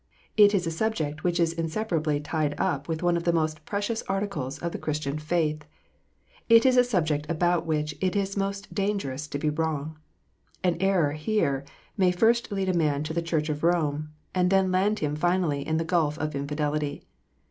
It is a subject which is inseparably tied up with one of the most precious articles of the Christian faith. It is a subject about which it is most dangerous to be wrong. An error here may first lead a man to the Church of Rome, and then land him finally in the gulf of infidelity.